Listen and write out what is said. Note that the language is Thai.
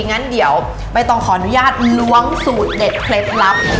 งั้นเดี๋ยวใบตองขออนุญาตล้วงสูตรเด็ดเคล็ดลับ